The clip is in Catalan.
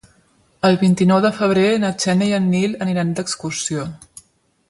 El vint-i-nou de febrer na Xènia i en Nil aniran d'excursió.